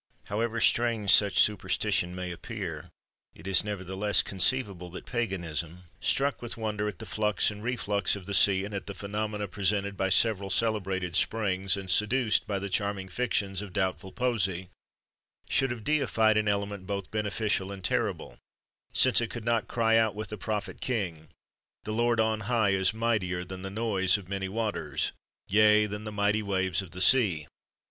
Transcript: [XXV 7] However strange such superstition may appear, it is, nevertheless, conceivable that Paganism, struck with wonder at the flux and reflux of the sea, and at the phenomena presented by several celebrated springs, and seduced by the charming fictions of doubtful poesy, should have deified an element both beneficial and terrible, since it could not cry out with the prophet king: "The Lord on high is mightier than the noise of many waters, yea than the mighty waves of the sea."